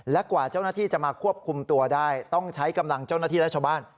และกว่าเจ้าหน้าที่จะมาควบคุมตัวได้ต้องใช้กำลังเจ้าหน้าที่และชาวบ้าน